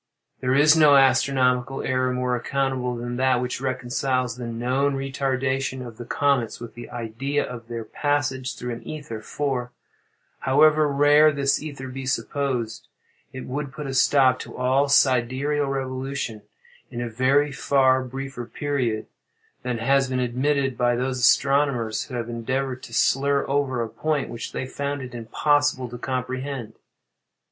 There is no astronomical error more unaccountable than that which reconciles the known retardation of the comets with the idea of their passage through an ether: for, however rare this ether be supposed, it would put a stop to all sidereal revolution in a very far briefer period than has been admitted by those astronomers who have endeavored to slur over a point which they found it impossible to comprehend.